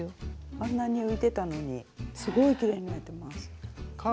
あんなに浮いてたのにすごいきれいに縫えてます。